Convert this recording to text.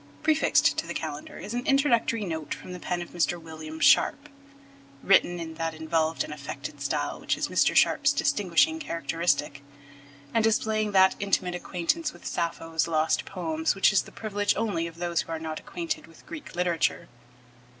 Prefixed to the Calendar is an introductory note from the pen of Mr. William Sharp, written in that involved and affected style which is Mr. Sharp's distinguishing characteristic, and displaying that intimate acquaintance with Sappho's lost poems which is the privilege only of those who are not acquainted with Greek literature.